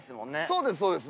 そうですそうです。